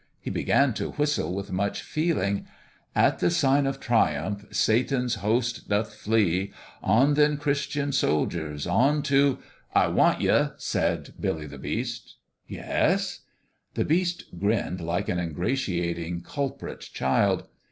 He began to whistle, with much feeling :" At the sign of triumph Satan's host doth flee : On, then, Christian soldiers, On to "" I want ye," said Billy the Beast. 280 BOUND 'THROUGH "Yes?" The Beast grinned like an ingratiating culprit child.